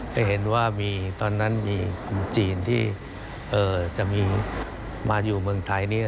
เคยเห็นว่าตอนนั้นมีคนจีนที่จะมาอยู่เมืองไทยนี้